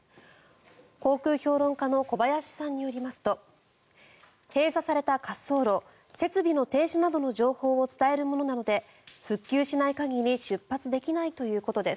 航空評論家の小林さんによりますと閉鎖された滑走路設備の停止などの情報を伝えるものなので復旧しない限り出発できないということです。